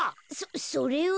そそれは。